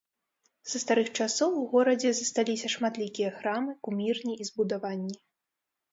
Са старых часоў у горадзе засталіся шматлікія храмы, кумірні і збудаванні.